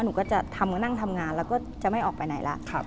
หนูก็จะทำก็นั่งทำงานแล้วก็จะไม่ออกไปไหนแล้ว